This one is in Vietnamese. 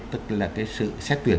tức là cái sự xét tuyển